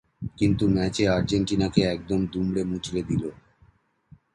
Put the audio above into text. কিন্তু ম্যাচে আর্জেন্টিনাকে একদম দুমড়ে মুচড়ে দিলো।